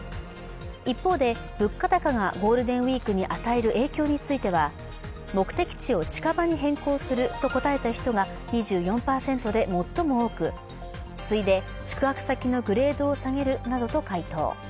一方で、物価高がゴールデンウイークに与える影響については目的地を近場に変更すると答えた人が２４％で最も多く次いで、宿泊先のグレードを下げるなどと回答。